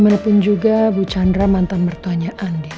gimanapun juga bu chandra mantan mertuanya andien